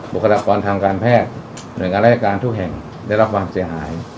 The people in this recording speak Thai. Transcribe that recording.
คลากรทางการแพทย์หน่วยงานราชการทุกแห่งได้รับความเสียหาย